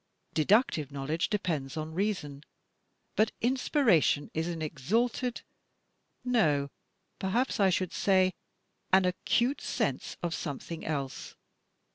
Deductive knowledge depends on reason, but inspiration is an exalted — no, perhaps I should say an acute sense of something else.